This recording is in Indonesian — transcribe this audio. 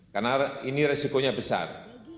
karena ini resikonya besar